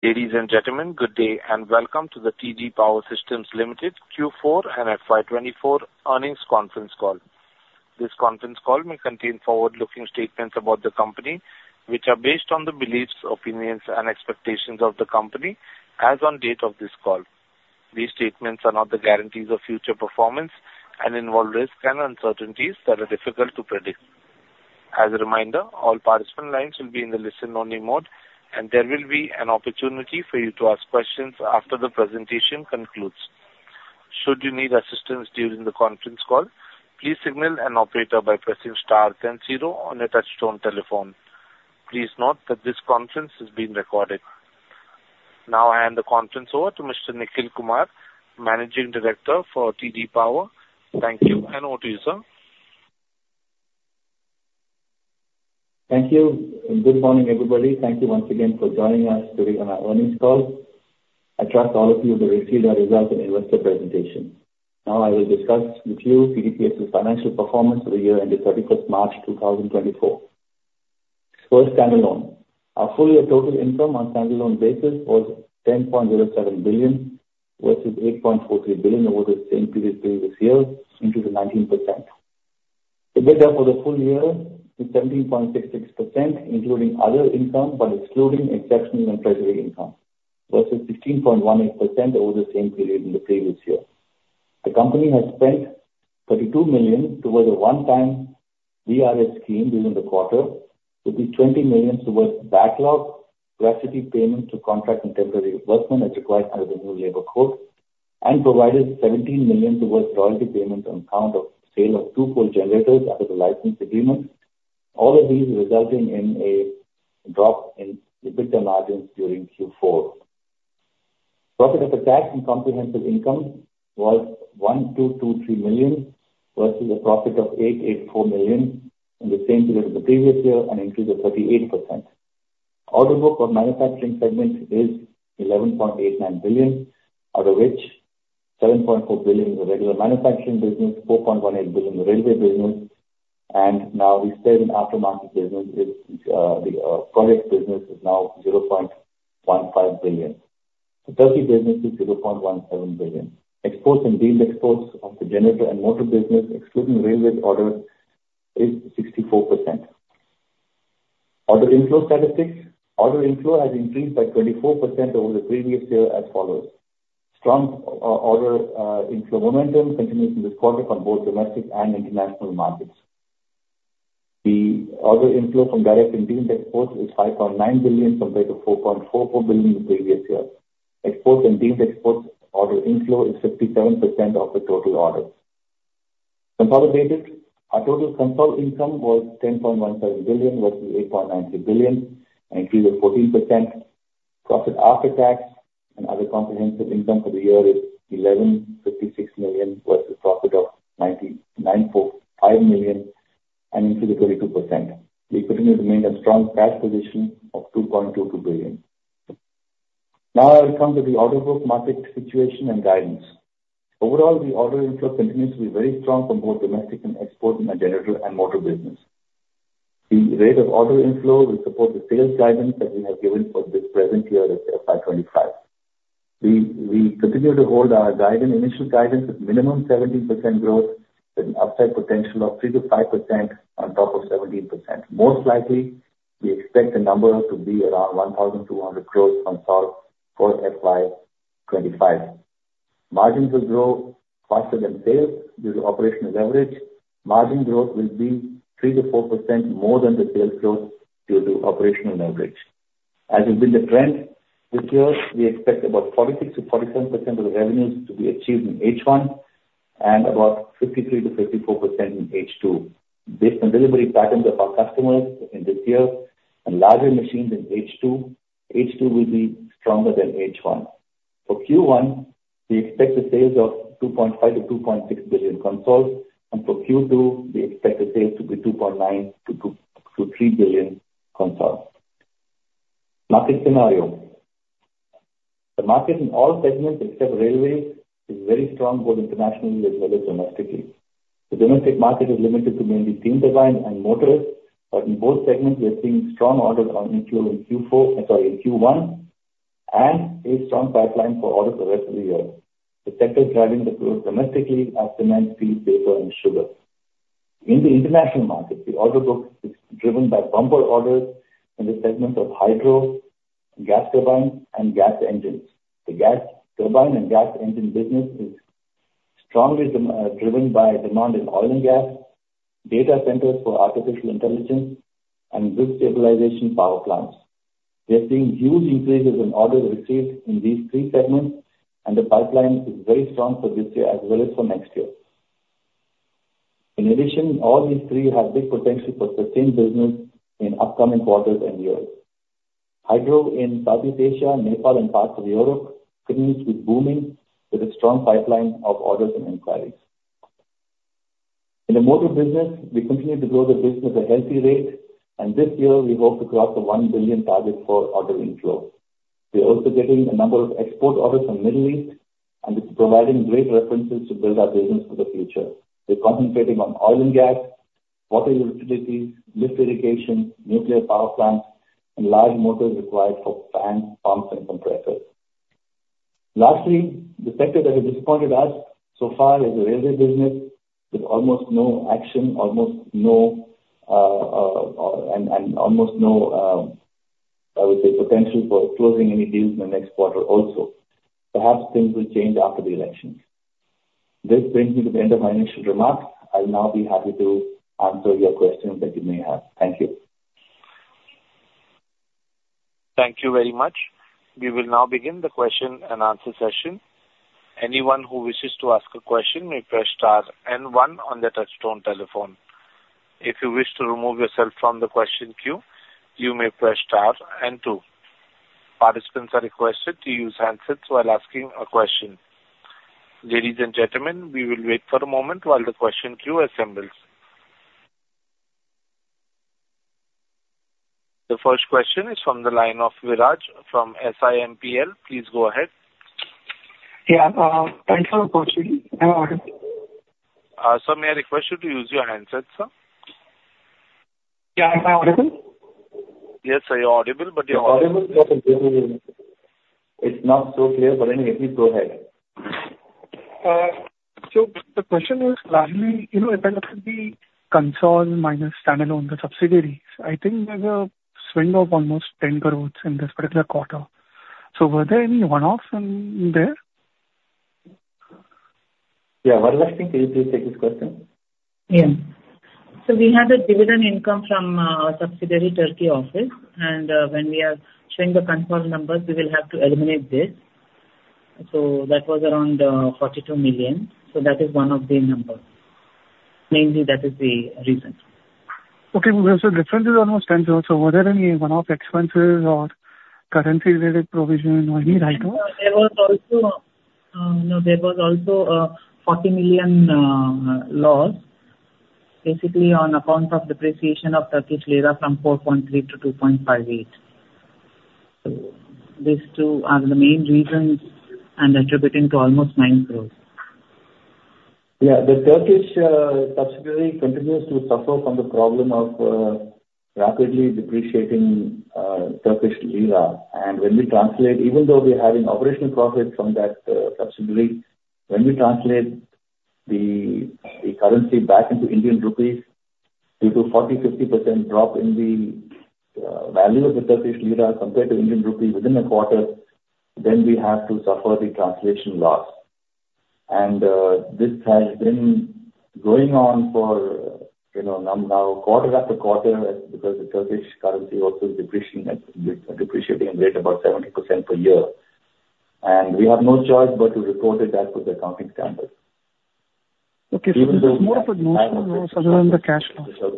Ladies and gentlemen, good day. Welcome to the TD Power Systems Limited Q4 and FY 2024 earnings conference call. This conference call may contain forward-looking statements about the company, which are based on the beliefs, opinions, and expectations of the company as on date of this call. These statements are not the guarantees of future performance and involve risks and uncertainties that are difficult to predict. As a reminder, all participant lines will be in the listen only mode. There will be an opportunity for you to ask questions after the presentation concludes. Should you need assistance during the conference call, please signal an operator by pressing star 101 on your touchtone telephone. Please note that this conference is being recorded. Now I hand the conference over to Mr. Nikhil Kumar, Managing Director for TD Power. Thank you, and over to you, sir. Thank you. Good morning, everybody. Thank you once again for joining us today on our earnings call. I trust all of you have received our results and investor presentation. Now I will discuss with you TDPS's financial performance for the year ending 31st March 2024. First, standalone. Our full year total income on standalone basis was 10.07 billion versus 8.43 billion over the same period the previous year, increase of 19%. EBITDA for the full year is 17.66%, including other income, but excluding exceptional and treasury income, versus 15.18% over the same period in the previous year. The company has spent 32 million towards a one-time VRS scheme within the quarter, with 20 million towards backlog gratuity payment to contract and temporary workmen as required under the new labor code, and provided 17 million towards royalty payment on account of sale of two-pole generators under the license agreement. All of these resulting in a drop in EBITDA margins during Q4. Profit after tax and comprehensive income was 1.223 million, versus a profit of 8.84 million in the same period of the previous year, an increase of 38%. Order book for manufacturing segment is 11.89 billion, out of which 7.4 billion is the regular manufacturing business, 4.18 billion, the railway business, and now the spare and aftermarket business is now 0.15 billion. The TESE business is 0.17 billion. Exports and deemed exports of the generator and motor business, excluding railway orders, is 64%. Order inflow statistics. Order inflow has increased by 24% over the previous year as follows. Strong order inflow momentum continues in this quarter on both domestic and international markets. The order inflow from direct and deemed exports is 5.9 billion compared to 4.44 billion the previous year. Exports and deemed exports order inflow is 57% of the total orders. Consolidated, our total consolidated income was 10.17 billion, versus 8.93 billion, an increase of 14%. Profit after tax and other comprehensive income for the year is 1.156 billion, versus profit of 994.5 million, an increase of 22%. We continue to maintain a strong cash position of 2.22 billion. Now I will come to the order book market situation and guidance. Overall, the order inflow continues to be very strong for both domestic and export in the generator and motor business. The rate of order inflow will support the sales guidance that we have given for this present year of FY 2025. We continue to hold our initial guidance at minimum 17% growth with an upside potential of 3%-5% on top of 17%. Most likely, we expect the number to be around 1,200 crores consult for FY 2025. Margins will grow faster than sales due to operational leverage. Margin growth will be 3%-4% more than the sales growth due to operational leverage. As has been the trend, this year, we expect about 46%-47% of the revenues to be achieved in H1 and about 53%-54% in H2. Based on delivery patterns of our customers in this year and larger machines in H2 will be stronger than H1. For Q1, we expect the sales of 2.5 billion-2.6 billion consult, and for Q2, we expect the sales to be 2.9 billion-3 billion consult. Market scenario. The market in all segments except railways is very strong, both internationally as well as domestically. The domestic market is limited to mainly steam turbine and motors, but in both segments, we are seeing strong orders on inflow in Q1 and a strong pipeline for orders the rest of the year. The sectors driving the growth domestically are cement, steel, paper, and sugar. In the international market, the order book is driven by bumper orders in the segments of hydro, gas turbine, and gas engines. The gas turbine and gas engine business is strongly driven by demand in oil and gas, data centers for artificial intelligence, and grid stabilization power plants. We are seeing huge increases in orders received in these three segments, the pipeline is very strong for this year as well as for next year. In addition, all these three have big potential for sustained business in upcoming quarters and years. Hydro in Southeast Asia, Nepal, and parts of Europe continues to be booming with a strong pipeline of orders and inquiries. In the motor business, we continue to grow the business at healthy rate, this year we hope to cross the 1 billion target for order inflow. We're also getting a number of export orders from Middle East, and it's providing great references to build our business for the future. We're concentrating on oil and gas, water utilities, lift irrigation, nuclear power plants, and large motors required for fans, pumps and compressors. Lastly, the sector that has disappointed us so far is the railway business, with almost no action and almost no, I would say, potential for closing any deals in the next quarter also. Perhaps things will change after the elections. This brings me to the end of my initial remarks. I'll now be happy to answer your questions that you may have. Thank you. Thank you very much. We will now begin the question and answer session. Anyone who wishes to ask a question may press star 1 on their touchtone telephone. If you wish to remove yourself from the question queue, you may press star 2. Participants are requested to use handsets while asking a question. Ladies and gentlemen, we will wait for a moment while the question queue assembles. The first question is from the line of Viraj from SiMPL. Please go ahead. Yeah. Thanks for approaching me. Am I audible? Sir, may I request you to use your handset, sir? Yeah. Am I audible? Yes, sir. You're audible. Audible. It's not so clear, but anyway, please go ahead. The question is, largely, it ends up to be consolidated minus standalone, the subsidiaries. I think there's a swing of almost 10 crores in this particular quarter. Were there any one-offs in there? Yeah. Varalakshmi, can you please take this question? Yeah. We had a dividend income from our subsidiary Turkey office, when we are showing the consolidated numbers, we will have to eliminate this. That was around 42 million. That is one of the numbers. Mainly, that is the reason. Okay. Difference is almost 10 crores. Were there any one-off expenses or currency-related provision or any write-offs? No, there was also an 40 million loss, basically on account of depreciation of Turkish lira from 4.3 to 2.58. These two are the main reasons and attributing to almost 9 crores. Yeah. The Turkish subsidiary continues to suffer from the problem of rapidly depreciating Turkish lira. When we translate, even though we're having operational profits from that subsidiary, when we translate the currency back into Indian rupees, due to 40%, 50% drop in the value of the Turkish lira compared to Indian rupee within a quarter, then we have to suffer the translation loss. This has been going on for now quarter after quarter because the Turkish currency also is depreciating at a rate of about 70% per year. We have no choice but to report it as per the accounting standards. Okay. This is more of a notional loss other than the cash flow.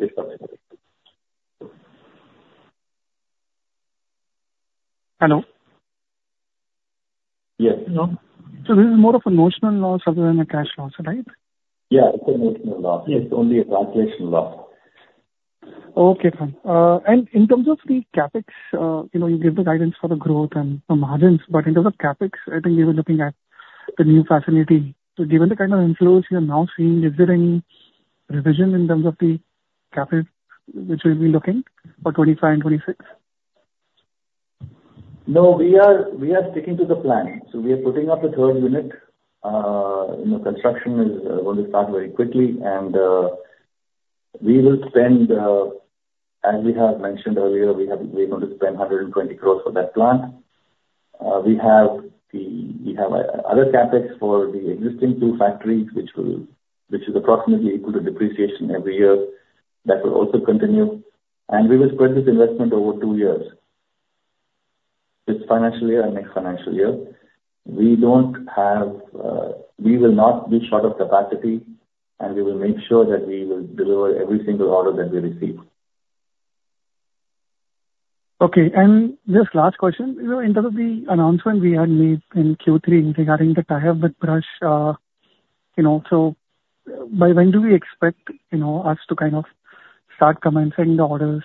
Hello? Yes. Hello. This is more of a notional loss other than a cash loss, right? Yeah, it's a notional loss. It's only a translation loss. Okay, fine. In terms of the CapEx, you gave the guidance for the growth and the margins, in terms of CapEx, I think we were looking at the new facility. Given the kind of inflow you are now seeing, is there any revision in terms of the CapEx, which we'll be looking for 2025 and 2026? We are sticking to the plan. We are putting up a third unit. Construction is going to start very quickly, and we will spend, as we have mentioned earlier, we are going to spend 120 crores for that plant. We have other CapEx for the existing two factories, which is approximately equal to depreciation every year. That will also continue, and we will spread this investment over two years, this financial year and next financial year. We will not be short of capacity, and we will make sure that we will deliver every single order that we receive. Okay. Just last question. In terms of the announcement we had made in Q3 regarding the tie-up with Brush. By when do we expect us to kind of start commencing the orders?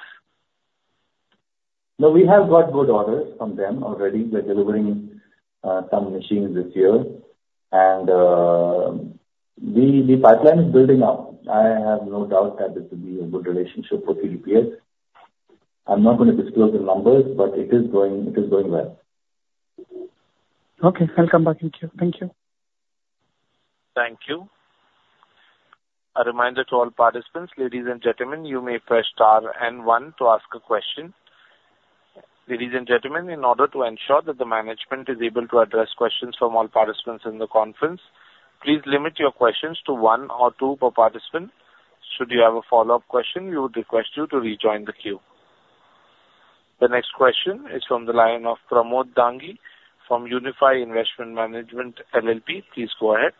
We have got good orders from them already. We're delivering some machines this year, and the pipeline is building up. I'm not going to disclose the numbers, it is going well. I have no doubt that this will be a good relationship for TDPS. Okay. I'll come back with you. Thank you. Thank you. A reminder to all participants, ladies and gentlemen, you may press star and one to ask a question. Ladies and gentlemen, in order to ensure that the management is able to address questions from all participants in the conference, please limit your questions to one or two per participant. Should you have a follow-up question, we would request you to rejoin the queue. The next question is from the line of Pramod Dangi from Unifi Investment Management LLP. Please go ahead.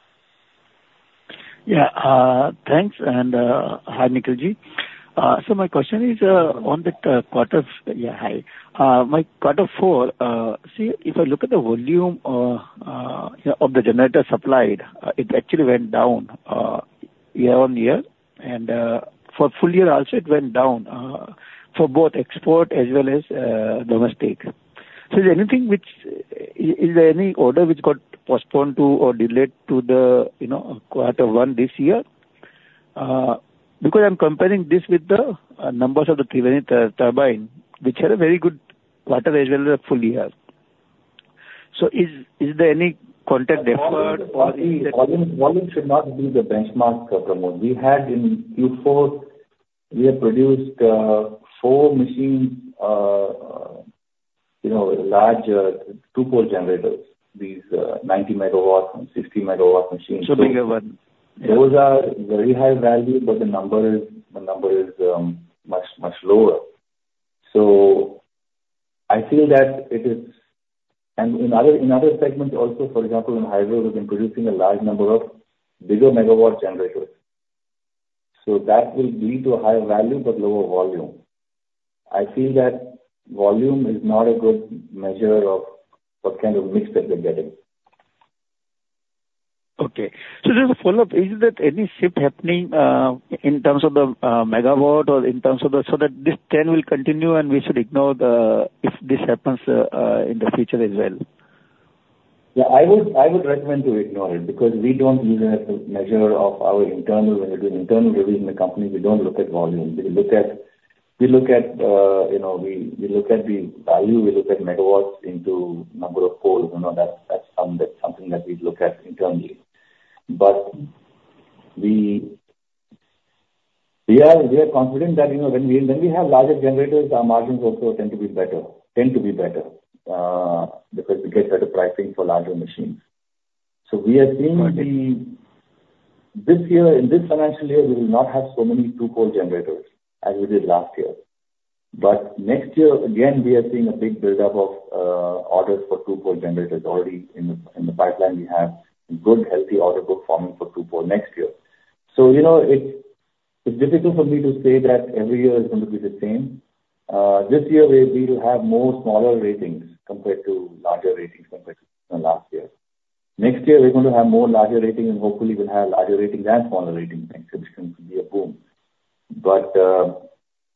Thanks, hi, Nikhil Ji. My question is on the quarter. My quarter four, if I look at the volume of the generator supplied, it actually went down year-over-year. For full year also, it went down, for both export as well as domestic. Is there any order which got postponed to or delayed to the quarter one this year? Because I'm comparing this with the numbers of the previous turbine, which had a very good quarter as well as a full year. Volume should not be the benchmark, Pramod. We had in Q4, we have produced four machine, larger two-pole generators. These 90 MW and 60 MW machines. Bigger ones. Those are very high value, but the number is much lower. I feel that it is. In other segments also, for example, in hydro, we've been producing a large number of bigger megawatt generators. That will lead to a higher value but lower volume. I feel that volume is not a good measure of what kind of mix that we're getting. Okay. Just a follow-up. Is there any shift happening in terms of the megawatt or so that this trend will continue, and we should ignore if this happens in the future as well. Yeah, I would recommend to ignore it because we don't use it as a measure of our internal. When we do an internal review in the company, we don't look at volume. We look at the value, we look at megawatts into number of poles. That's something that we look at internally. We are confident that when we have larger generators, our margins also tend to be better because we get better pricing for larger machines. We are seeing this year, in this financial year, we will not have so many two-pole generators as we did last year. Next year, again, we are seeing a big buildup of orders for two-pole generators already in the pipeline. We have good, healthy order book forming for two-pole next year. It's difficult for me to say that every year is going to be the same. This year we'll have more smaller ratings compared to larger ratings compared to last year. Next year, we're going to have more larger rating and hopefully we'll have larger rating than smaller ratings next year, which can be a boom.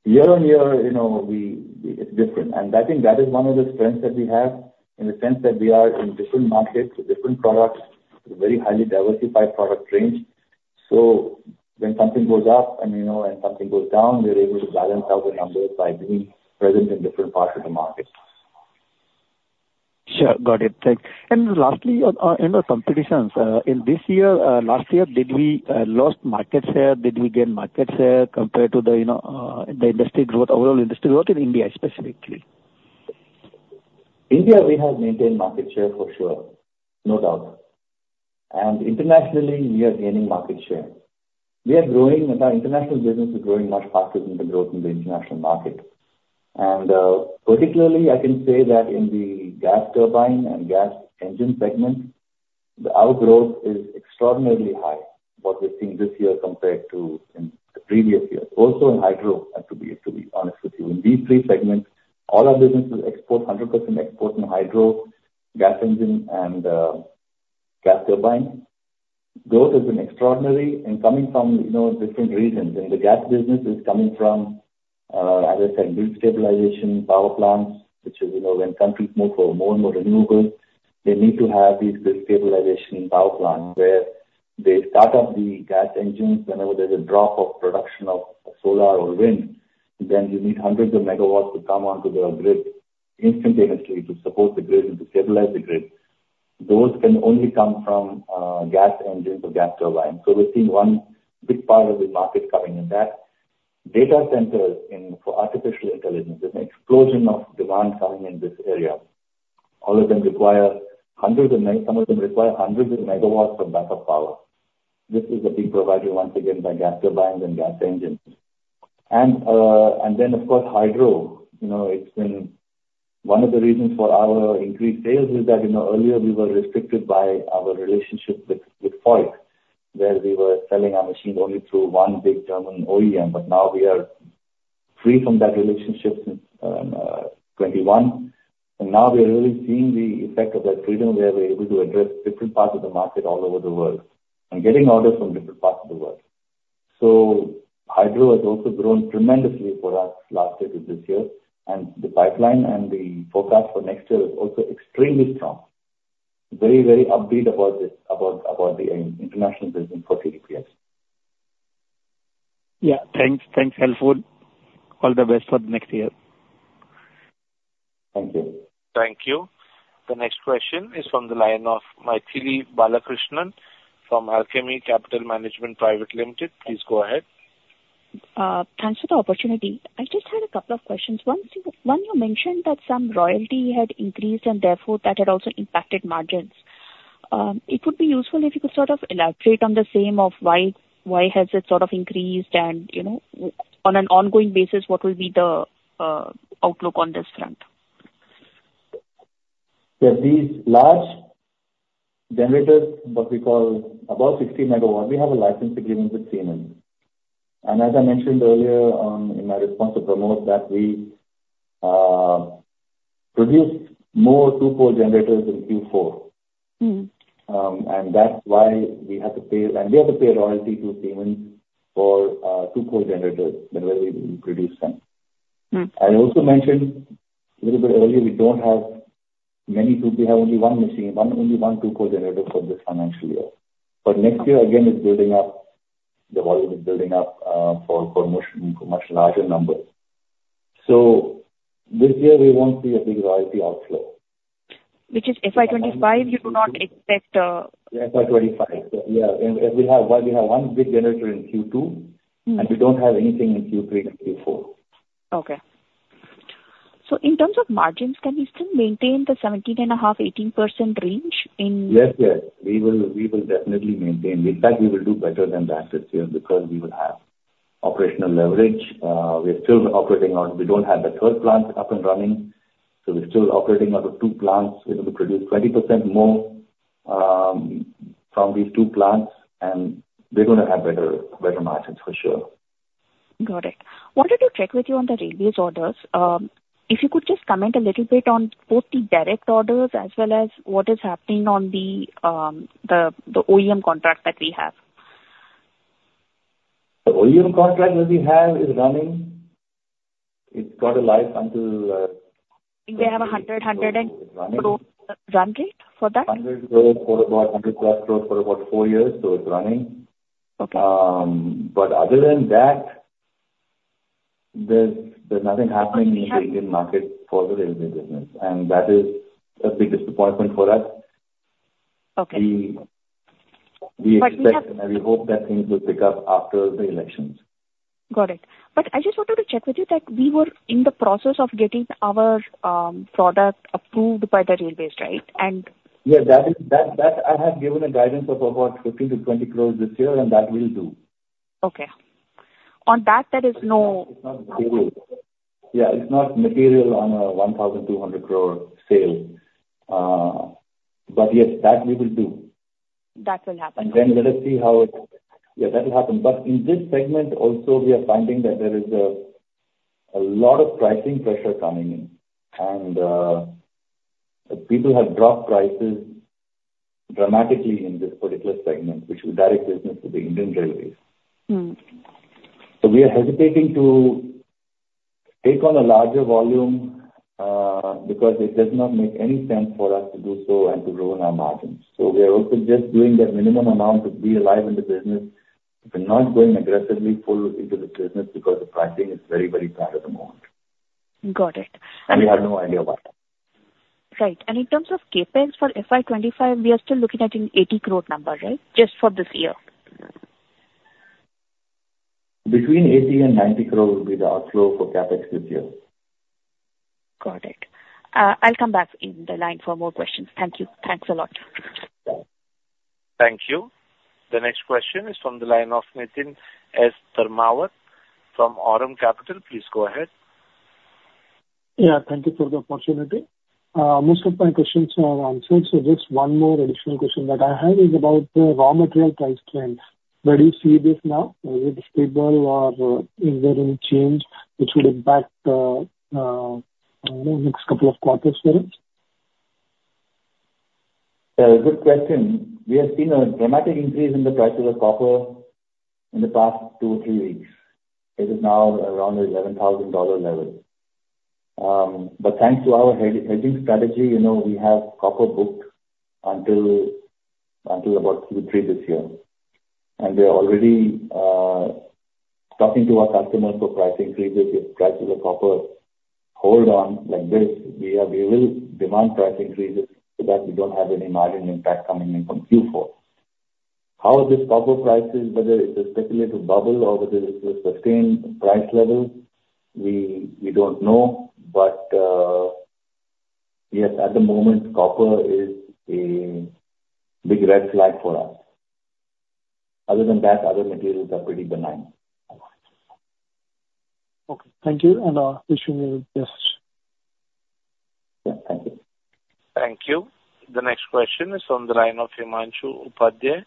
Year-on-year, it's different. I think that is one of the strengths that we have in the sense that we are in different markets with different products, with very highly diversified product range. When something goes up and something goes down, we're able to balance out the numbers by being present in different parts of the market. Sure. Got it. Thanks. Lastly, in the competitions, in this year, last year, did we lost market share? Did we gain market share compared to the industry growth overall, industry growth in India specifically? India, we have maintained market share for sure, no doubt. Internationally, we are gaining market share. We are growing. Our international business is growing much faster than the growth in the international market. Particularly, I can say that in the gas turbine and gas engine segment, our growth is extraordinarily high. What we're seeing this year compared to in the previous year. Also in hydro, to be honest with you. In these three segments, all our businesses export 100% export in hydro, gas engine, and gas turbine. Growth has been extraordinary and coming from different regions. In the gas business is coming from, as I said, grid stabilization power plants, which is when countries move for more and more renewable, they need to have these grid stabilization power plants where they start up the gas engines. Whenever there's a drop of production of solar or wind, then you need hundreds of megawatts to come onto their grid instantaneously to support the grid and to stabilize the grid. Those can only come from gas engines or gas turbines. We're seeing one big part of the market coming in that. Data centers for artificial intelligence. There's an explosion of demand coming in this area. All of them require hundreds of megawatts of backup power. This is being provided once again by gas turbines and gas engines. Then of course, hydro. One of the reasons for our increased sales is that earlier we were restricted by our relationship with Voith, where we were selling our machine only through one big German OEM. Now we are free from that relationship since 2021. Now we are really seeing the effect of that freedom where we're able to address different parts of the market all over the world and getting orders from different parts of the world. Hydro has also grown tremendously for us last year to this year. The pipeline and the forecast for next year is also extremely strong. Very upbeat about the international business for TDPS. Yeah. Thanks. Helpful. All the best for the next year. Thank you. Thank you. The next question is from the line of Mythili Balakrishnan from Alchemy Capital Management Private Limited. Please go ahead. Thanks for the opportunity. I just had a couple of questions. One, you mentioned that some royalty had increased and therefore that had also impacted margins. It would be useful if you could sort of elaborate on the same of why has it sort of increased and on an ongoing basis, what will be the outlook on this front? These large generators, what we call above 60 MW, we have a license agreement with Siemens. As I mentioned earlier in my response to Pramod, that we produced more two-pole generators in Q4. That's why we have to pay. We have to pay royalty to Siemens for two-pole generators whenever we produce them. I also mentioned a little bit earlier, we don't have many. We have only one two-pole generator for this financial year. Next year, again, the volume is building up for much larger numbers. This year we won't see a big royalty outflow. Which is FY 2025, you do not expect. FY 2025, yeah. We have one big generator in Q2. We don't have anything in Q3 to Q4. Okay. In terms of margins, can we still maintain the 17.5%-18% range? Yes. We will definitely maintain. In fact, we will do better than last year because we will have operational leverage. We don't have the third plant up and running, so we're still operating out of two plants. We're going to produce 20% more from these two plants, and we're going to have better margins for sure. Got it. I wanted to check with you on the railways orders. If you could just comment a little bit on both the direct orders as well as what is happening on the OEM contract that we have. The OEM contract that we have is running. It's got a life until. They have 100 and run rate for that? 100 crore for about 100 plus crore for about four years. It's running. Okay. Other than that, there's nothing happening in the Indian market for the railway business, and that is a big disappointment for us. Okay. We accept. We hope that things will pick up after the elections. Got it. I just wanted to check with you that we were in the process of getting our product approved by the railways, right? Yeah. That I have given a guidance of about 15 crores-20 crores this year, and that we'll do. Okay. On that, there is no. Yeah, it's not material on a 1,200 crore sale. Yes, that we will do. That will happen. Let us see how it Yeah, that will happen. In this segment also, we are finding that there is a lot of pricing pressure coming in, and people have dropped prices dramatically in this particular segment, which is direct business with the Indian railways. We are hesitating to take on a larger volume, because it does not make any sense for us to do so and to ruin our margins. We are also just doing the minimum amount to be alive in the business, but not going aggressively full into this business because the pricing is very bad at the moment. Got it. We have no idea about that. Right. In terms of CapEx for FY25, we are still looking at an ₹80 crore number, right? Just for this year. Between ₹80 crore and ₹90 crore will be the outflow for CapEx this year. Got it. I'll come back in the line for more questions. Thank you. Thanks a lot. Bye. Thank you. The next question is from the line of Niteen S. Dharmawat from Aurum Capital. Please go ahead. Yeah, thank you for the opportunity. Most of my questions are answered, so just one more additional question that I had is about the raw material price trends. Where do you see this now? Is it stable or is there any change which will impact the next couple of quarters perhaps? A good question. We have seen a dramatic increase in the price of the copper in the past two, three weeks. It is now around the $11,000 level. Thanks to our hedging strategy, we have copper booked until about Q3 this year. We are already talking to our customers for price increases. If prices of copper hold on like this, we will demand price increases so that we don't have any margin impact coming in from Q4. How this copper prices, whether it's a speculative bubble or whether it's a sustained price level, we don't know. Yes, at the moment, copper is a big red flag for us. Other than that, other materials are pretty benign. Okay. Thank you, and wishing you the best. Yeah, thank you. Thank you. The next question is on the line of Himanshu Upadhyay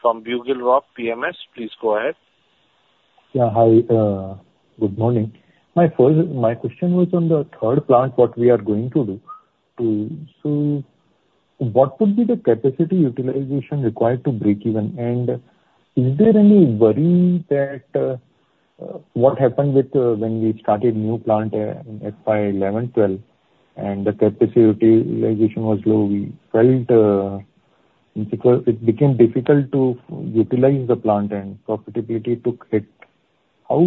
from BugleRock PMS. Please go ahead. Yeah, hi. Good morning. My question was on the third plant, what we are going to do. What would be the capacity utilization required to break even? Is there any worry that what happened when we started new plant in FY 2011-2012, and the capacity utilization was low. It became difficult to utilize the plant and profitability took hit. How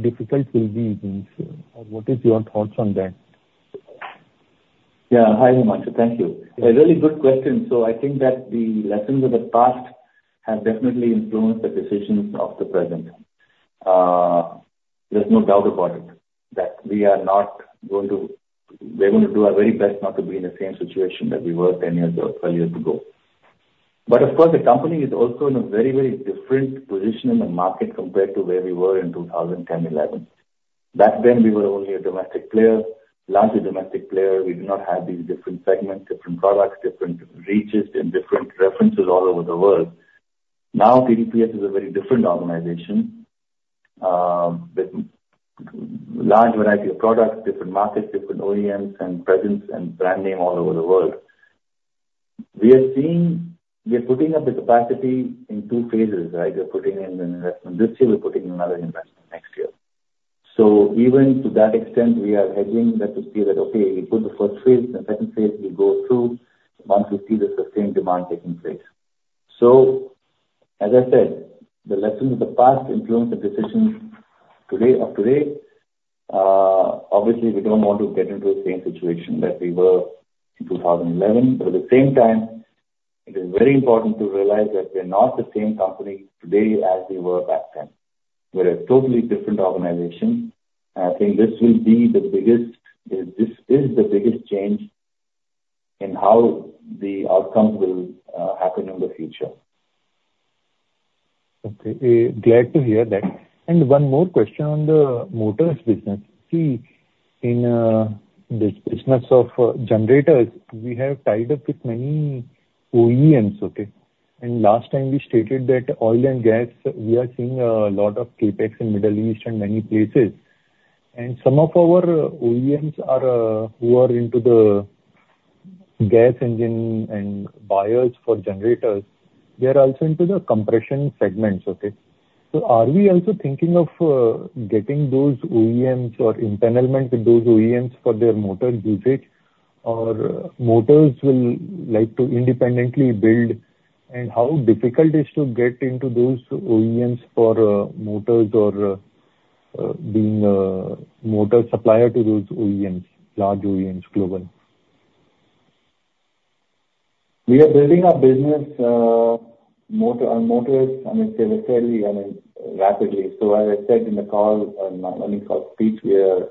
difficult will it be this year, or what is your thoughts on that? Hi, Himanshu. A really good question. I think that the lessons of the past have definitely influenced the decisions of the present. There is no doubt about it, that we are going to do our very best not to be in the same situation that we were 10 years or 12 years ago. Of course, the company is also in a very different position in the market compared to where we were in 2010-2011. Back then, we were only a domestic player, largely domestic player. We did not have these different segments, different products, different reaches in different references all over the world. Now, TDPS is a very different organization, with large variety of products, different markets, different OEMs and presence and brand name all over the world. We are putting up the capacity in 2 phases. We are putting in an investment this year, we are putting another investment next year. Even to that extent, we are hedging that to say that, okay, we put the first phase, the second phase will go through once we see the sustained demand taking place. As I said, the lessons of the past influence the decisions of today. Obviously, we do not want to get into the same situation that we were in 2011. At the same time, it is very important to realize that we are not the same company today as we were back then. We are a totally different organization, and I think this is the biggest change in how the outcomes will happen in the future. Okay. Glad to hear that. One more question on the motors business. In this business of generators, we have tied up with many OEMs. Last time we stated that oil and gas, we are seeing a lot of CapEx in Middle East and many places. Some of our OEMs who are into the gas engine and buyers for generators, they are also into the compression segments. Are we also thinking of getting those OEMs or empanelment with those OEMs for their motor usage? Or motors will like to independently build, and how difficult is to get into those OEMs for motors or being a motor supplier to those large OEMs global? We are building our business on motors fairly rapidly. As I said in the call, in my opening call speech, we are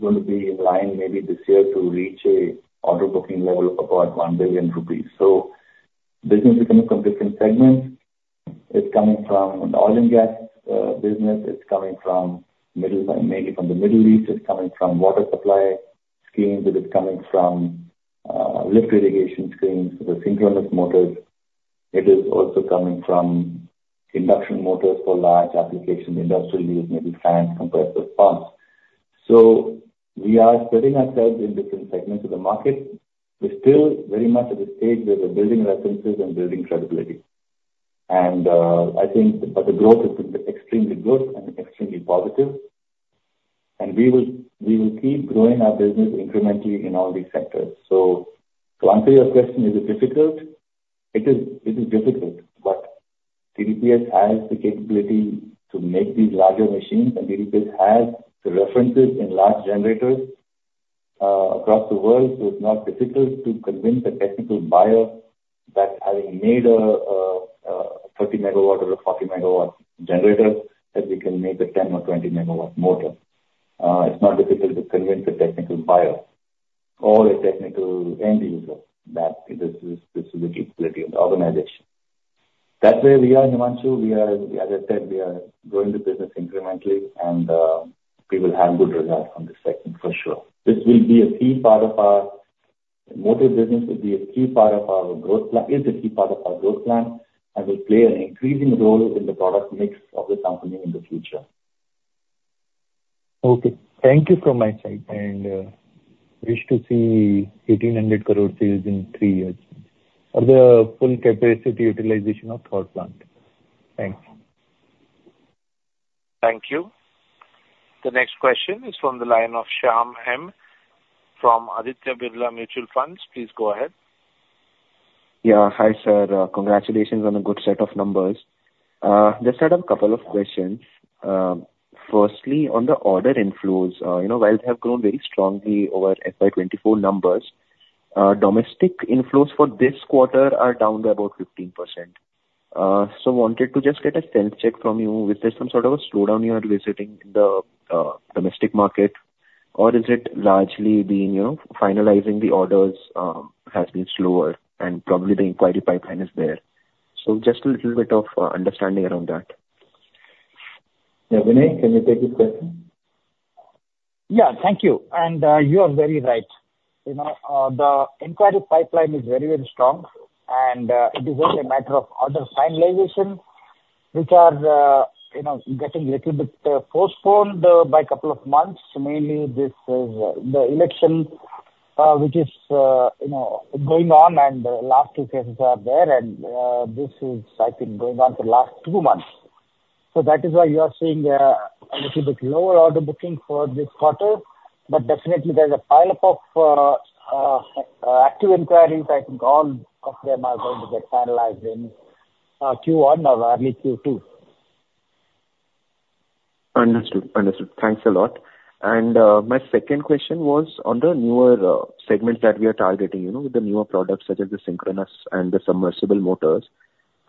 going to be in line maybe this year to reach an order booking level of about 1 billion rupees. Business is coming from different segments. It is coming from oil and gas business, it is coming maybe from the Middle East, it is coming from water supply schemes, it is coming from lift irrigation schemes with synchronous motors. It is also coming from induction motors for large application, industrial use, maybe fans, compressor, pumps. We are spreading ourselves in different segments of the market. We are still very much at a stage where we are building references and building credibility. I think the growth has been extremely good and extremely positive. We will keep growing our business incrementally in all these sectors. Is it difficult? It is difficult, but TDPS has the capability to make these larger machines, and TDPS has the references in large generators across the world. It is not difficult to convince a technical buyer that having made a 30 MW or a 40 MW generator, that we can make a 10 or 20 MW motor. It is not difficult to convince a technical buyer or a technical end user that this is the capability of the organization. That is where we are, Himanshu. As I said, we are growing the business incrementally, and we will have good results from this segment for sure. Motor business is a key part of our growth plan, and will play an increasing role in the product mix of the company in the future. Okay. Thank you from my side, wish to see 1,800 crore sales in 3 years, or the full capacity utilization of third plant. Thanks. Thank you. The next question is from the line of Shyam M. from Aditya Birla Mutual Fund. Please go ahead. Yeah. Hi, sir. Congratulations on a good set of numbers. Just had a couple of questions. Firstly, on the order inflows. While they have grown very strongly over FY 2024 numbers, domestic inflows for this quarter are down by about 15%. Wanted to just get a sense check from you. Is there some sort of a slowdown you are witnessing in the domestic market? Or is it largely being finalizing the orders has been slower and probably the inquiry pipeline is there? Just a little bit of understanding around that. Yeah. Vinay, can you take this question? Yeah, thank you. You are very right. The inquiry pipeline is very, very strong, and it is only a matter of order finalization, which are getting a little bit postponed by couple of months. Mainly, this is the election which is going on and last 2 phases are there. This has, I think, going on for the last two months. That is why you are seeing a little bit lower order booking for this quarter. Definitely there's a pileup of active inquiries. I think all of them are going to get finalized in Q1 or early Q2. Understood. Thanks a lot. My second question was on the newer segments that we are targeting with the newer products such as the synchronous and the submersible motors.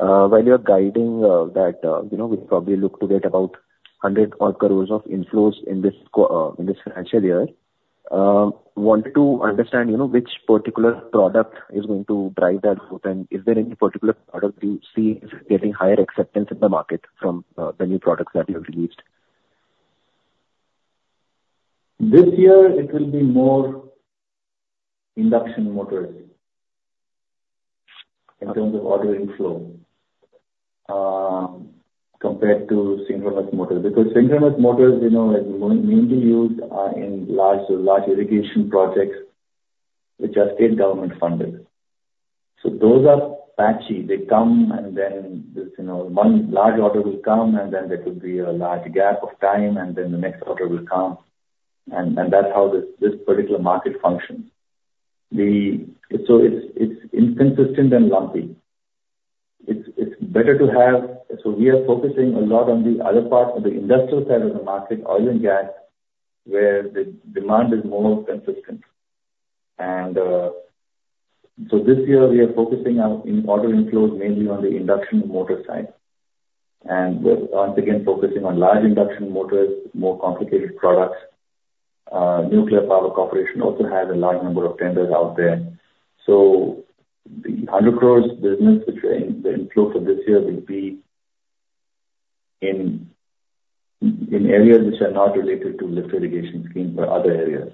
While you're guiding that we probably look to get about 100 odd crores of inflows in this financial year. Wanted to understand which particular product is going to drive that growth, and is there any particular product you see is getting higher acceptance in the market from the new products that you have released? This year it will be more induction motors in terms of order inflow. Compared to synchronous motors, because synchronous motors are mainly used in large irrigation projects which are state government funded. Those are patchy. One large order will come and then there could be a large gap of time, and then the next order will come, and that's how this particular market functions. It's inconsistent and lumpy. We are focusing a lot on the other part, on the industrial side of the market, oil and gas, where the demand is more consistent. This year we are focusing our order inflows mainly on the induction motor side. We're once again focusing on large induction motors, more complicated products. Nuclear Power Corporation also has a large number of tenders out there. The 100 crores business, which the inflow for this year will be in areas which are not related to lift irrigation schemes, but other areas.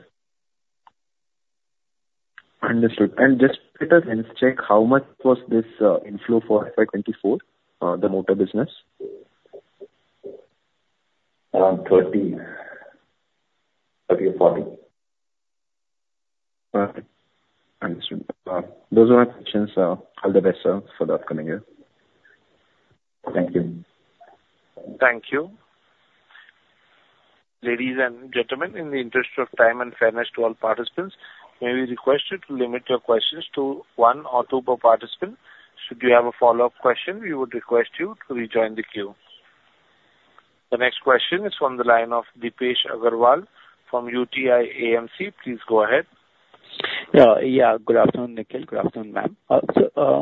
Understood. Just check, how much was this inflow for FY 2024, the motor business? 30 crores or 40 crores. All right. Understood. Those are my questions, sir. All the best, sir, for the upcoming year. Thank you. Thank you. Ladies and gentlemen, in the interest of time and fairness to all participants, may we request you to limit your questions to one or two per participant. Should you have a follow-up question, we would request you to rejoin the queue. The next question is from the line of Deepesh Agarwal from UTI AMC. Please go ahead. Yeah. Good afternoon, Nikhil. Good afternoon, ma'am.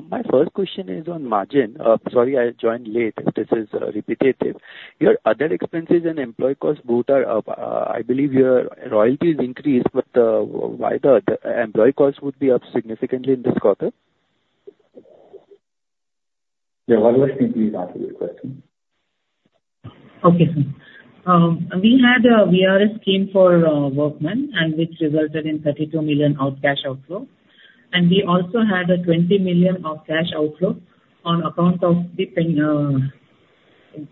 My first question is on margin. Sorry, I joined late if this is repetitive. Your other expenses and employee costs both are up. I believe your royalties increased, why the employee cost would be up significantly in this quarter? Yeah. Warda, can you please answer the question? Okay, sir. We had a VRS scheme for workmen, which resulted in 32 million of cash outflow. We also had a 20 million of cash outflow on account of the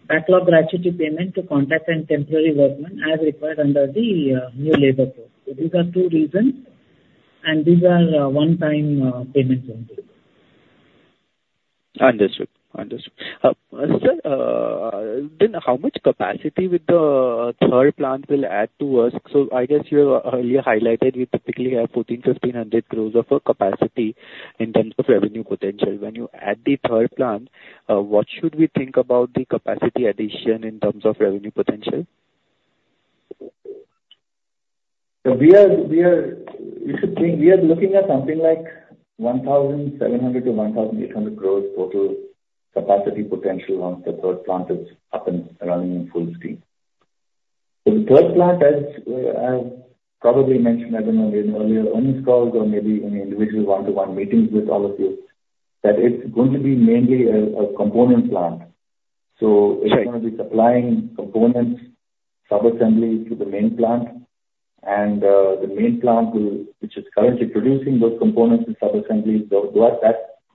backlog gratuity payment to contract and temporary workmen as required under the new labor code. These are two reasons. These are one-time payment only. Understood. Sir, how much capacity with the third plant will add to us? I guess you earlier highlighted, we typically have 1,300 crore-1,500 crore of capacity in terms of revenue potential. When you add the third plant, what should we think about the capacity addition in terms of revenue potential? You should think we are looking at something like 1,700 crore to 1,800 crore total capacity potential once the third plant is up and running in full steam. The third plant, as I've probably mentioned, I don't know, in earlier earnings calls or maybe in individual one-to-one meetings with all of you, that it's going to be mainly a component plant. Sure. It's going to be supplying components, subassemblies to the main plant. The main plant which is currently producing those components and subassemblies,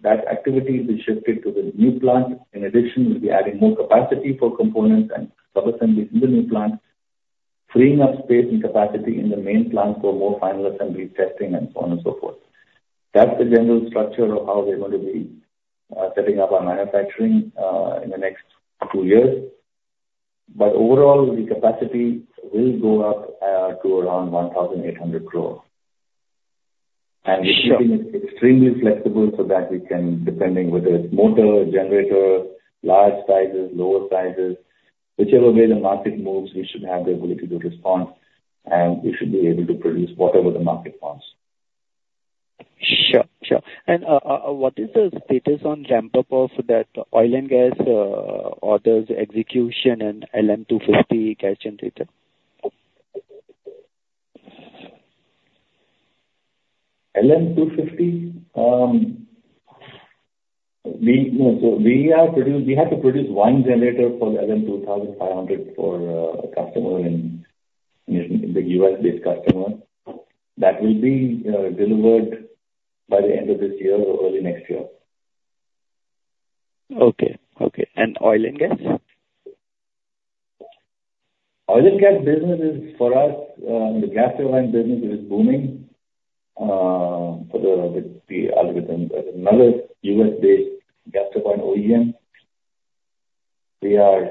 that activity will be shifted to the new plant. In addition, we'll be adding more capacity for components and subassemblies in the new plant, freeing up space and capacity in the main plant for more final assembly testing and so on and so forth. That's the general structure of how we're going to be setting up our manufacturing in the next two years. Overall, the capacity will go up to around 1,800 crore. Sure. We're keeping it extremely flexible so that we can, depending whether it's motor, generator, large sizes, lower sizes, whichever way the market moves, we should have the ability to respond, and we should be able to produce whatever the market wants. Sure. What is the status on ramp-up of that oil and gas orders execution and LM 250 gas generator? LM 250, we had to produce one generator for the LM2500 for a U.S.-based customer. That will be delivered by the end of this year or early next year. Okay. Oil and gas? Oil and gas business is, for us, the gas turbine business is booming. For Solar Turbines, another U.S.-based gas turbine OEM, we are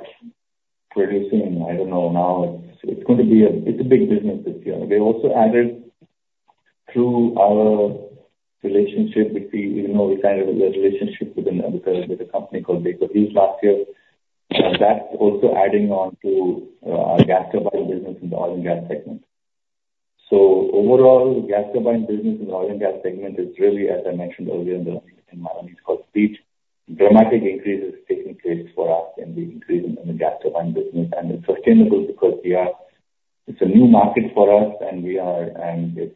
producing, I don't know, now it's a big business this year. We also added through our relationship, we signed a relationship with a company called Baker Hughes last year. That's also adding on to our gas turbine business in the oil and gas segment. Overall, gas turbine business in the oil and gas segment is really, as I mentioned earlier in my opening speech, dramatic increases taking place for us in the gas turbine business. It's sustainable because it's a new market for us, and the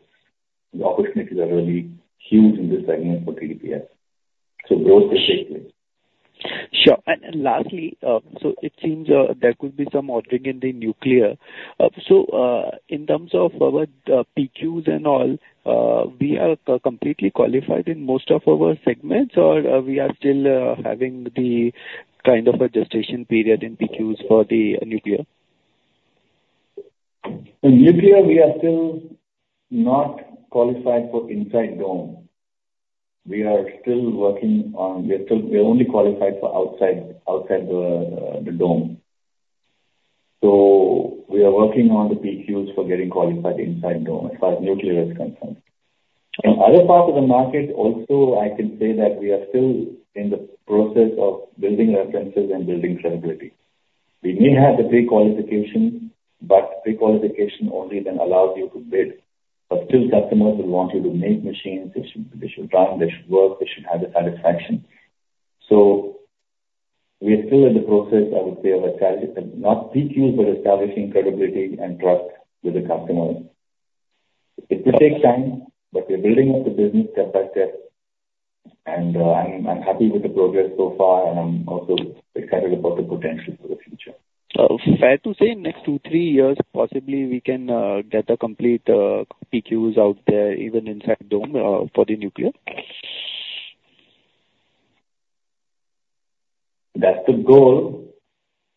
opportunities are really huge in this segment for TDPS. Growth is taking place. Sure. Lastly, it seems there could be some ordering in the nuclear. In terms of our PQs and all, we are completely qualified in most of our segments, or we are still having the kind of a gestation period in PQs for the nuclear? Nuclear, we are still not qualified for inside the dome. We are only qualified for outside the dome. We are working on the PQs for getting qualified inside the dome, as far as nuclear is concerned. In other parts of the market, also, I can say that we are still in the process of building references and building credibility. We may have the pre-qualification, but pre-qualification only then allows you to bid. Still customers will want you to make machines, they should run, they should work, they should have the satisfaction. We are still in the process, I would say, of establishing credibility and trust with the customers. It will take time, but we're building up the business step by step, and I'm happy with the progress so far, and I'm also excited about the potential for the future. Fair to say in next two, three years, possibly we can get the complete PQs out there, even inside the dome for the nuclear? That's the goal.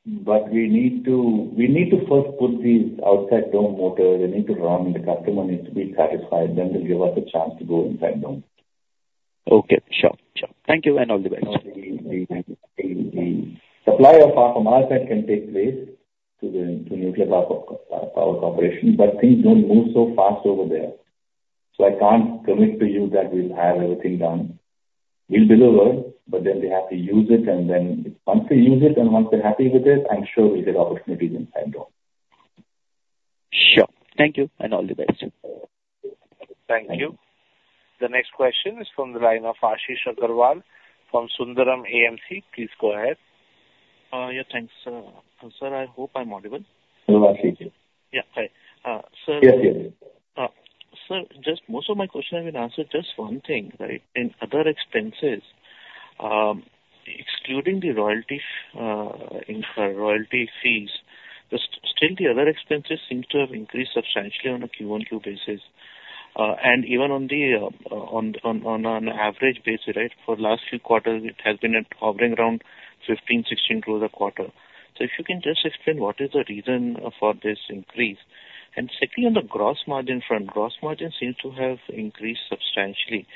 We need to first put these outside dome motors, they need to run, the customer needs to be satisfied, then they'll give us a chance to go inside dome. Okay. Sure. Thank you, and all the best. The supply of far from our side can take place to nuclear power operation, things don't move so fast over there. I can't commit to you that we'll have everything done. We'll deliver, they have to use it, once they use it and once they're happy with it, I'm sure we'll get opportunities inside dome. Sure. Thank you, and all the best. Thank you. The next question is from the line of Ashish Aggarwal from Sundaram AMC. Please go ahead. Yeah, thanks. Sir, I hope I'm audible. You are. Yeah. Hi. Yes. Sir, just most of my question has been answered. Just one thing. In other expenses, excluding the royalty fees, still the other expenses seem to have increased substantially on a Q1Q basis. Even on an average basis, for last few quarters, it has been hovering around 15 crore, 16 crore a quarter. If you can just explain what is the reason for this increase? Secondly, on the gross margin front, gross margin seems to have increased substantially.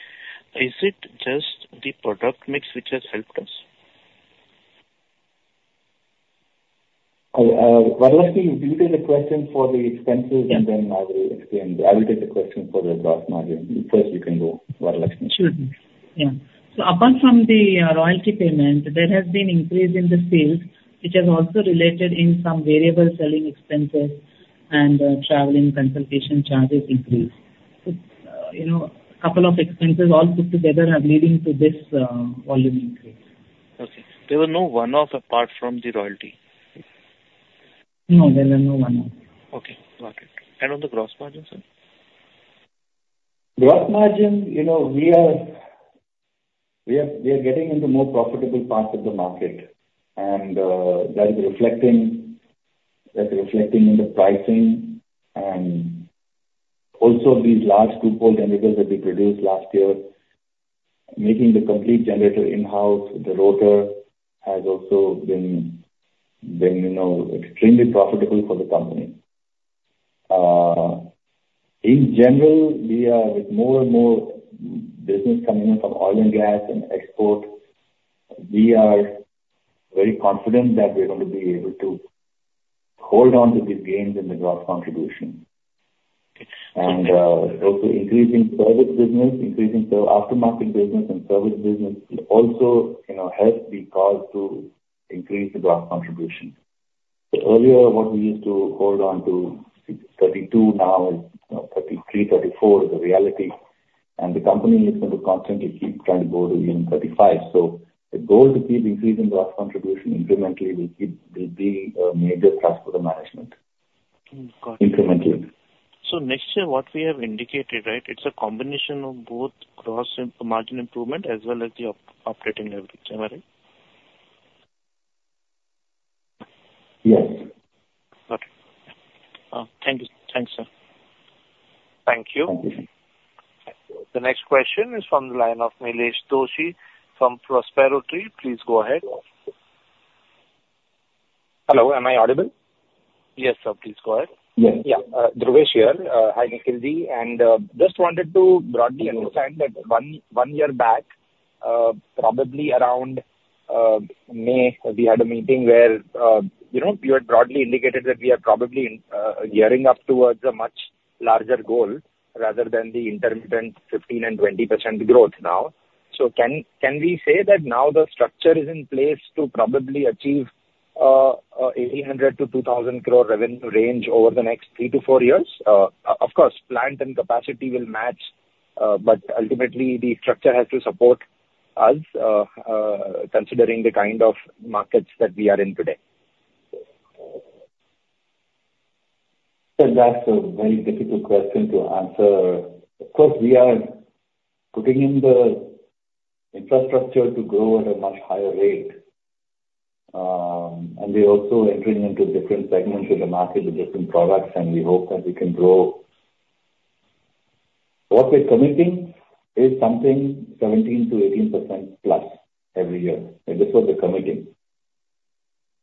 Is it just the product mix which has helped us? Varalakshmi, you take the question for the expenses. Yeah Then I will take the question for the gross margin. First you can go, Varalakshmi. Sure. Yeah. Apart from the royalty payment, there has been increase in the sales, which has also related in some variable selling expenses and traveling consultation charges increase. A couple of expenses all put together are leading to this volume increase. Okay. There were no one-off apart from the royalty? No, there were no one-off. Okay. Got it. On the gross margin, sir? Gross margin, we are getting into more profitable parts of the market, and that is reflecting in the pricing and also these large pole generators that we produced last year. Making the complete generator in-house, the rotor, has also been extremely profitable for the company. In general, with more and more business coming in from oil and gas and export, we are very confident that we're going to be able to hold on to the gains in the gross contribution. Also increasing service business, increasing aftermarket business and service business will also help the cause to increase the gross contribution. Earlier, what we used to hold on to 32% now is 33%, 34% is the reality. The company is going to constantly keep trying to go to even 35%. The goal to keep increasing gross contribution incrementally will be a major task for the management. Got it. Incrementally. Next year, what we have indicated, it's a combination of both gross margin improvement as well as the operating leverage. Am I right? Yes. Okay. Thank you. Thanks, sir. Thank you. The next question is from the line of Nilesh Doshi from Prospero Tree. Please go ahead. Hello, am I audible? Yes, sir. Please go ahead. Dhruvesh here. Hi, Nikhilji. Just wanted to broadly understand that one year back, probably around May, we had a meeting where you had broadly indicated that we are probably gearing up towards a much larger goal rather than the intermittent 15% and 20% growth now. Can we say that now the structure is in place to probably achieve 1,800 crore to 2,000 crore revenue range over the next 3 to 4 years? Of course, plant and capacity will match, but ultimately the structure has to support us, considering the kind of markets that we are in today. That's a very difficult question to answer. Of course, we are putting in the infrastructure to grow at a much higher rate. We're also entering into different segments of the market with different products, and we hope that we can grow What we're committing is something 17% to 18% plus every year. This was the committing.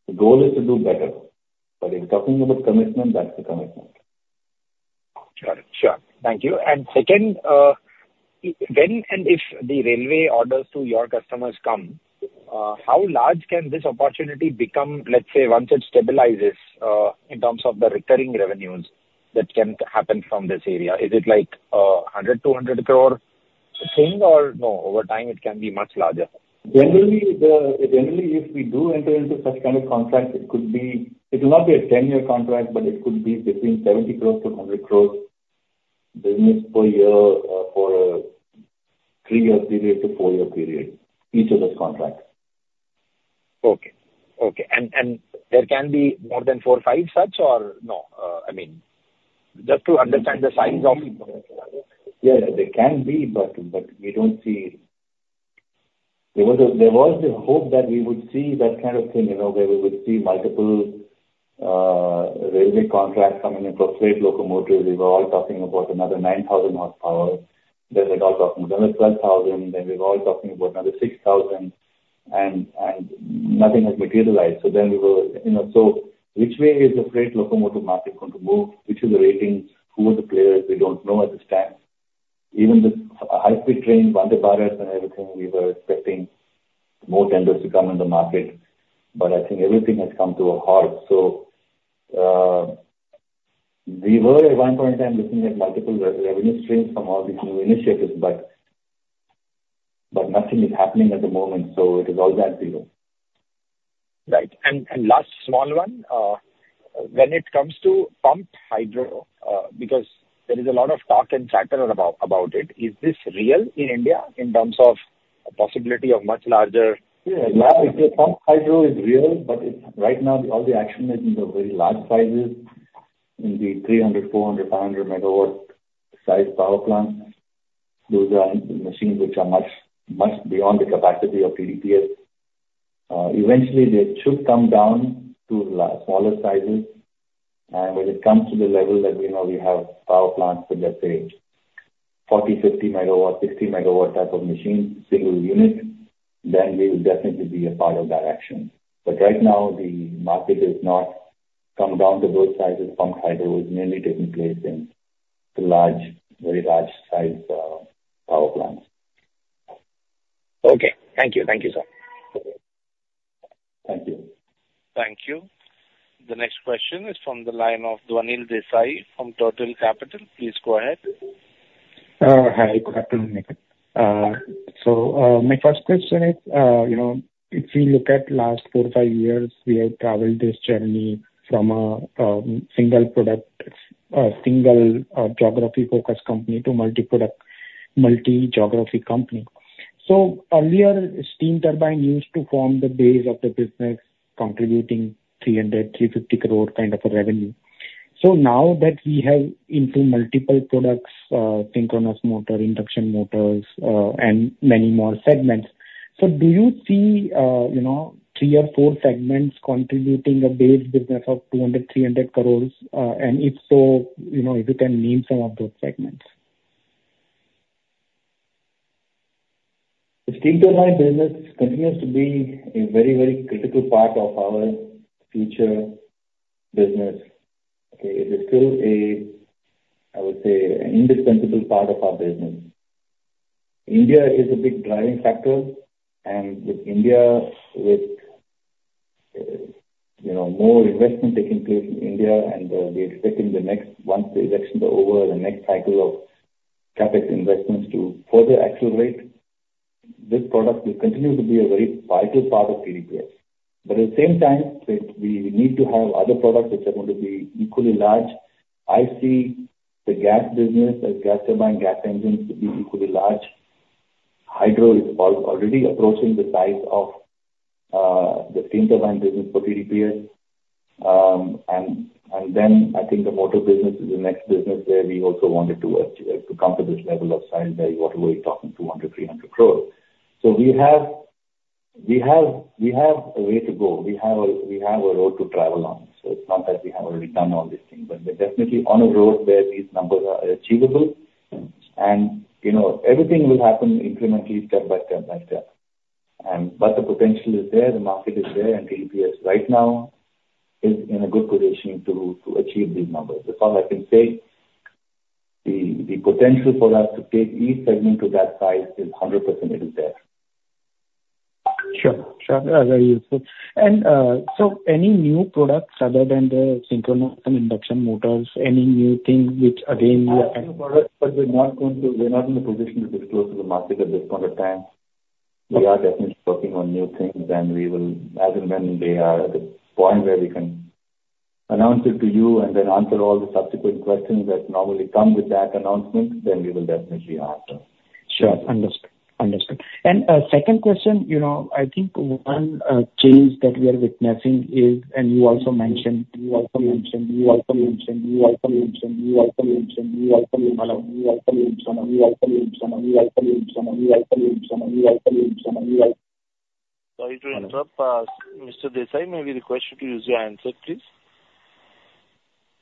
The goal is to do better, but if talking about commitment, that's the commitment. Sure. Thank you. Second, when and if the railway orders to your customers come, how large can this opportunity become, let's say, once it stabilizes, in terms of the recurring revenues that can happen from this area? Is it like 100 crore, 200 crore thing or no, over time, it can be much larger? Generally, if we do enter into such kind of contracts, it will not be a 10-year contract, but it could be between 70 crore-100 crore business per year for a 3-year period-4-year period, each of those contracts. Okay. There can be more than four or five such or no? Just to understand the size of it. Yes, there can be, but we don't see. There was the hope that we would see that kind of thing, where we would see multiple railway contracts coming in for freight locomotives. We were all talking about another 9,000 horsepower, then we were all talking about another 12,000, then we were all talking about another 6,000, and nothing has materialized. Which way is the freight locomotive market going to move? Which is the ratings? Who are the players? We don't know at this time. Even the high-speed train, Vande Bharat and everything, we were expecting more tenders to come in the market. I think everything has come to a halt. We were, at one point in time, looking at multiple revenue streams from all these new initiatives, but nothing is happening at the moment, it is all at zero. Last small one. When it comes to pumped hydro, because there is a lot of talk and chatter about it, is this real in India in terms of possibility of much larger Yeah. Pumped hydro is real, right now all the action is in the very large sizes, in the 300, 400, 500 megawatt size power plants. Those are machines which are much beyond the capacity of TDPS. Eventually, they should come down to smaller sizes, when it comes to the level that we know we have power plants with, let's say 40, 50 megawatt, 60 megawatt type of machine, single unit, then we will definitely be a part of that action. Right now, the market has not come down to those sizes. Pumped hydro is mainly taking place in very large size power plants. Okay. Thank you, sir. Thank you. Thank you. The next question is from the line of Dhvanil Desai from Turtle Capital. Please go ahead. Hi. Good afternoon. My first question is, if we look at last four or five years, we have traveled this journey from a single product, a single geography-focused company to multi-product, multi-geography company. Earlier, steam turbine used to form the base of the business, contributing 300 crore, 350 crore kind of a revenue. Now that we have into multiple products, synchronous motor, induction motors, and many more segments. Do you see three or four segments contributing a base business of 200 crore, 300 crore? If so, if you can name some of those segments. The steam turbine business continues to be a very critical part of our future business. Okay? It is still a, I would say, an indispensable part of our business. India is a big driving factor, and with India, with more investment taking place in India and we're expecting the next, once the elections are over, the next cycle of CapEx investments to further accelerate, this product will continue to be a very vital part of TDPS. At the same time, we need to have other products which are going to be equally large. I see the gas business, the gas turbine, gas engines to be equally large. Hydro is already approaching the size of the steam turbine business for TDPS. I think the motor business is the next business where we also wanted to come to this level of size, where you are talking 200 crore, 300 crore. We have a way to go. We have a road to travel on. It's not that we have already done all these things, but we're definitely on a road where these numbers are achievable. everything will happen incrementally step by step by step. The potential is there, the market is there, and TDPS right now is in a good position to achieve these numbers. That's all I can say. The potential for us to take each segment to that size is 100%, it is there. Sure. Very useful. Any new products other than the synchronous and induction motors, any new thing which again you are We're not in a position to disclose to the market at this point of time. We are definitely working on new things, and we will, as and when they are at a point where we can announce it to you and then answer all the subsequent questions that normally come with that announcement, then we will definitely ask them. Sure. Understood. Second question, I think one change that we are witnessing is, and you also mentioned Sorry to interrupt. Mr. Desai, may we request you to use your handset, please?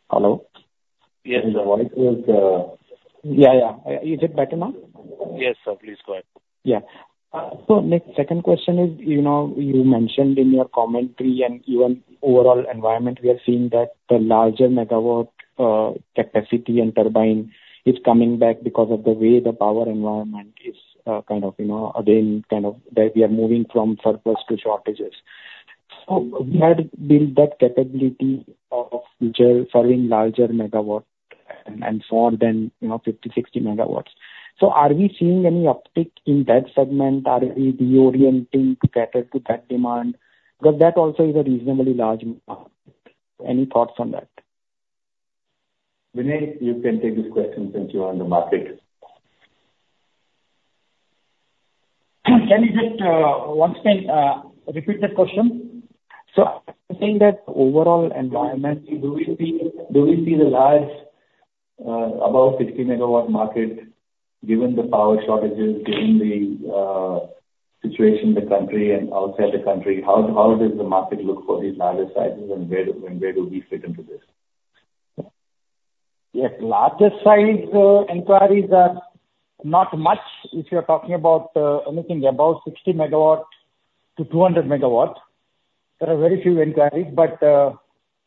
Hello? Yes, the voice is. Yeah. Is it better now? Yes, sir. Please go ahead. Yeah. Nik, second question is, you mentioned in your commentary and even overall environment, we are seeing that the larger megawatt capacity and turbine is coming back because of the way the power environment is kind of, again, that we are moving from surplus to shortages. We had built that capability of following larger megawatt and more than 50, 60 megawatts. Are we seeing any uptick in that segment? Are we reorienting to cater to that demand? Because that also is a reasonably large market. Any thoughts on that? Vinay, you can take this question since you are on the market. Can you just once again repeat that question? I think that overall environment, do we see the large above 60 megawatt market, given the power shortages, given the situation in the country and outside the country, how does the market look for these larger sizes and where do we fit into this? Yeah, larger size inquiries are not much. If you're talking about anything above 60 megawatt to 200 megawatt, there are very few inquiries.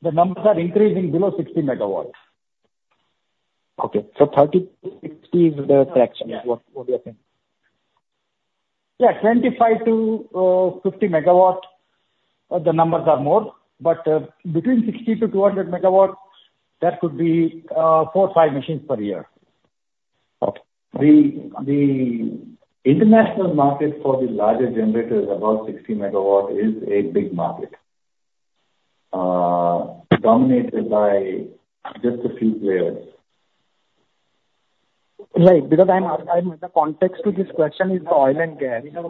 The numbers are increasing below 60 megawatts. Okay. 30 to 60 is the traction. Yeah. What do you think? Yeah. 25 to 50 megawatt, the numbers are more. Between 60 to 200 megawatts, that could be four, five machines per year. Okay. The international market for the larger generators above 60 MW is a big market. Dominated by just a few players. Right. The context to this question is oil and gas. We have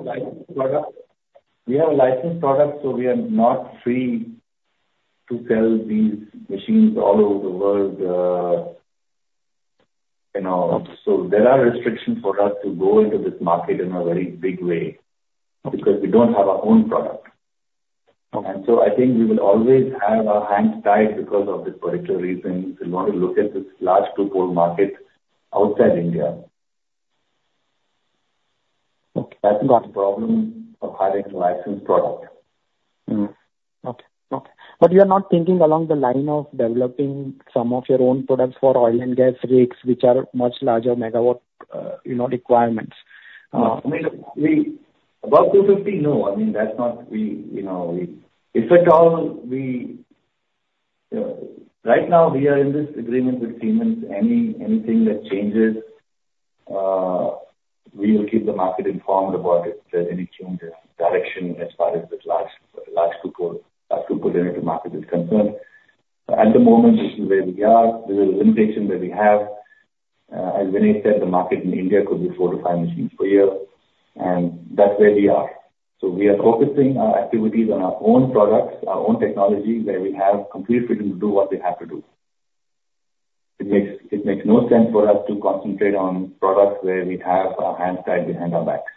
a licensed product, so we are not free to sell these machines all over the world. There are restrictions for us to go into this market in a very big way because we don't have our own product. Okay. I think we will always have our hands tied because of this particular reason, if we want to look at this large twofold market outside India. Okay. That's the problem of having a licensed product. Okay. You're not thinking along the line of developing some of your own products for oil and gas rigs, which are much larger megawatt requirements. About 250, no. If at all, right now we are in this agreement with Siemens. Anything that changes, we will keep the market informed about it, if there's any change in direction as far as this large two-pole generator market is concerned. At the moment, this is where we are. This is the limitation that we have. As Vinay said, the market in India could be four to five machines per year, and that's where we are. We are focusing our activities on our own products, our own technology, where we have complete freedom to do what we have to do. It makes no sense for us to concentrate on products where we have our hands tied behind our backs.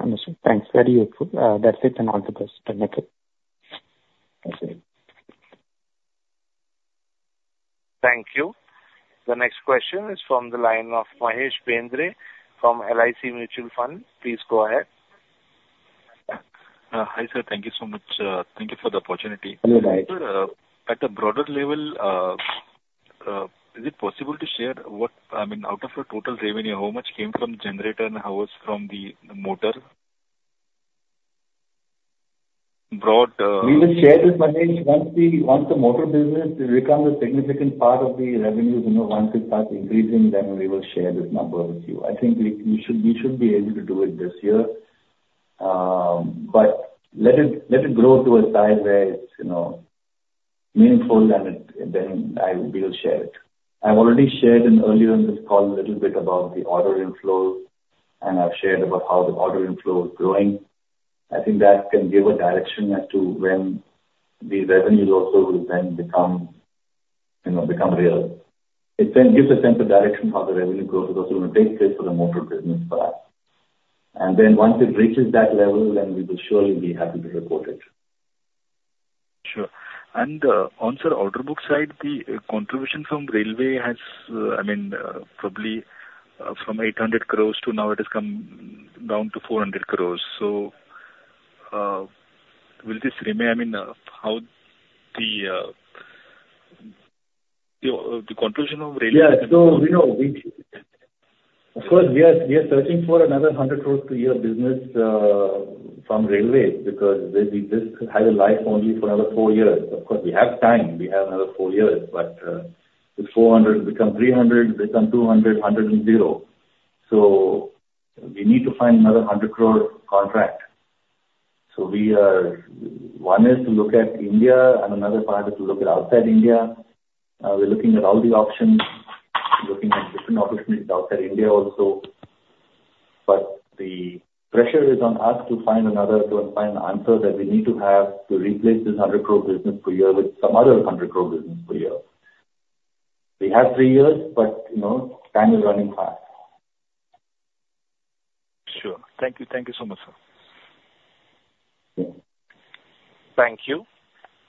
Understood. Thanks. Very helpful. That's it then. Thank you. Thank you. The next question is from the line of Mahesh Bendre from LIC Mutual Fund. Please go ahead. Hi, sir. Thank you so much. Thank you for the opportunity. Hi. Sir, at a broader level, is it possible to share out of your total revenue, how much came from generator and how was from the motor? We will share this Mahesh, once the motor business becomes a significant part of the revenue, once it starts increasing, then we will share this number with you. I think we should be able to do it this year. But let it grow to a size where it's meaningful, then we will share it. I've already shared earlier on this call a little bit about the order inflows, I've shared about how the order inflow is growing. I think that can give a direction as to when the revenue also will then become real. It gives a sense of direction how the revenue growth is also going to take place for the motor business for us. Then once it reaches that level, then we will surely be happy to report it. Sure. On, sir, order book side, the contribution from railway has probably from 800 crore to now it has come down to 400 crore. Will this remain? How the contribution of railway- Yeah. Of course, we are searching for another 100 crore per year of business from railway because this has a life only for another four years. Of course, we have time. We have another four years, the 400 crore will become 300 crore, become 200 crore, 100 crore and zero. We need to find another 100 crore contract. One is to look at India and another part is to look at outside India. We're looking at all the options. We're looking at different opportunities outside India also. The pressure is on us to find another, to find the answer that we need to have to replace this 100 crore business per year with some other 100 crore business per year. We have three years, time is running fast. Sure. Thank you so much, sir. Yeah. Thank you.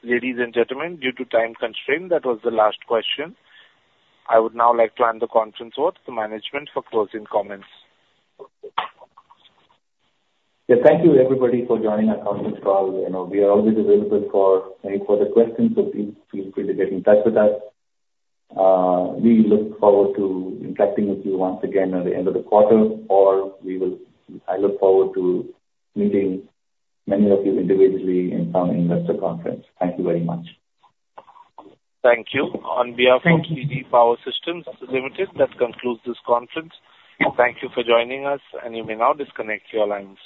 Ladies and gentlemen, due to time constraint, that was the last question. I would now like to hand the conference over to management for closing comments. Thank you everybody for joining our conference call. We are always available for any further questions. Please feel free to get in touch with us. We look forward to interacting with you once again at the end of the quarter. I look forward to meeting many of you individually in some investor conference. Thank you very much. Thank you. On behalf of TD Power Systems Limited, that concludes this conference. Thank you for joining us. You may now disconnect your lines.